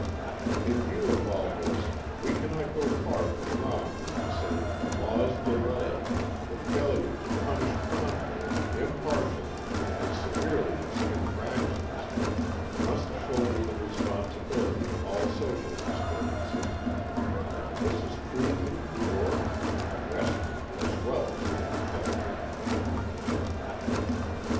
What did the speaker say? In view of all this we cannot go far from wrong when we say that the law's delay, the failure to punish promptly, impartially and severely its infractions, must shoulder the responsibility for all social disturbances, and this is true in New York, in the West, as well as in Kentucky.